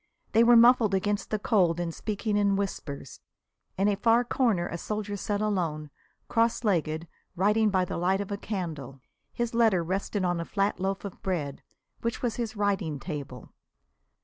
They were muffled against the cold and speaking in whispers. In a far corner a soldier sat alone, cross legged, writing by the light of a candle. His letter rested on a flat loaf of bread, which was his writing table.